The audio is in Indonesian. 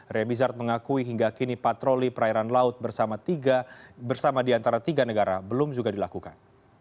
ria mizard mengakui hingga kini patroli perairan laut bersama di antara tiga negara belum juga dilakukan